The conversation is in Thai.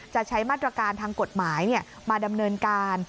จะใช้มาตรการทางกฎหมายมาดำเนินการ